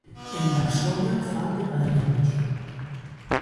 En Varsovia, fan de padriños.